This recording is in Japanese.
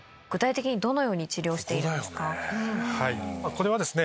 これはですね